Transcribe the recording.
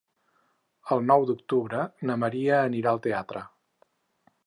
El nou d'octubre na Maria anirà al teatre.